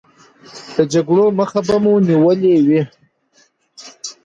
د جګړو مخه به مو نیولې وي.